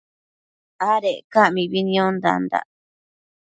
Adec ca mibi niondandac